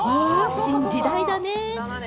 新時代だね。